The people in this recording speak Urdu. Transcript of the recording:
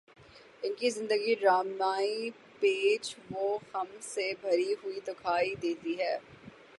ان کی زندگی ڈرامائی پیچ و خم سے بھری ہوئی دکھائی دیتی ہے